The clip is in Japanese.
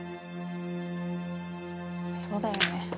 そうだよね。